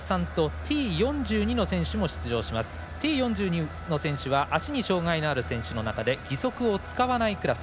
Ｔ４２の選手は足に障がいのある選手の中で義足を使わないクラス。